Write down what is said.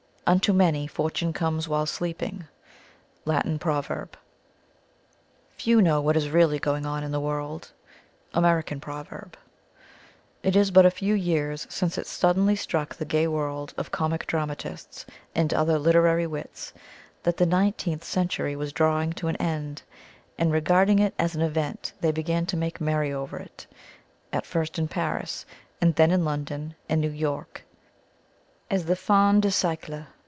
"Unto many Fortune comes while sleeping." Latin Proverb. "Few know what is really going on in the world." American Proverb. It is but a few years since it suddenly struck the gay world of comic dramatists and other literary wits, that the Nineteenth Century was drawing to an end, and regarding it as an event they began to make merry over it, at first in Paris, and then in London and New York, as the fin de siècle.